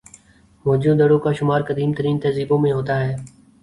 موئن جو دڑو کا شمار قدیم ترین تہذیبوں میں ہوتا ہے